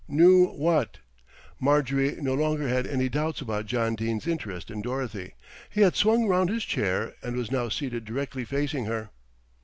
"Knew what?" Marjorie no longer had any doubts about John Dene's interest in Dorothy. He had swung round his chair, and was now seated directly facing her.